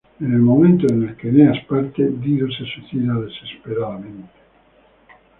En el momento en el que Eneas parte, Dido se suicida desesperadamente.